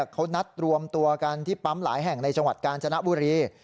เขานัดรวมตัวกันที่ปั๊มหลายแห่งในจังหวัดกาญจนบุรี